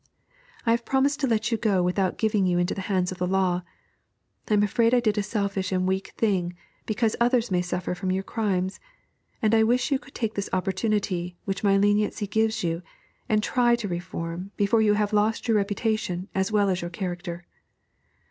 'I have promised to let you go without giving you into the hands of the law. I am afraid I did a selfish and weak thing, because others may suffer from your crimes, and I wish you could take this opportunity, which my leniency gives you, and try to reform before you have lost your reputation as well as your character.'